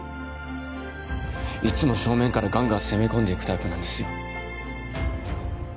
いつも正面からガンガン攻め込んでいくタイプなんですよ